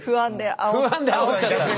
不安であおっちゃったんだ。